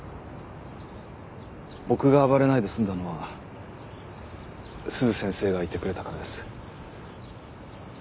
僕が暴れないで済んだのは鈴先生がいてくれたからです。